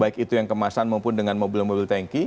baik itu yang kemasan maupun dengan mobil mobil tanki